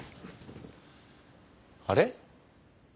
あれ？